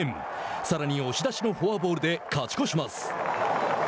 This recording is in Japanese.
さらに押し出しのフォアボールで勝ち越します。